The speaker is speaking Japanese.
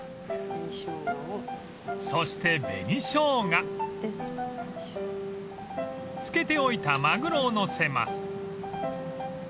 ［そして紅しょうが漬けておいたマグロを載せます］